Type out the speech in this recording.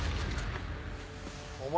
お前。